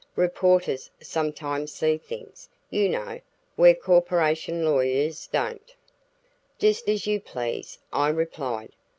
"Reporters sometimes see things, you know, where corporation lawyers don't." "Just as you please," I replied.